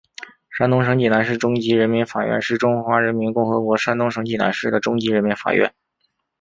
山东省济南市中级人民法院是中华人民共和国山东省济南市的中级人民法院。